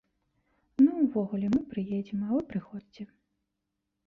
Ну, увогуле, мы прыедзем, а вы прыходзьце.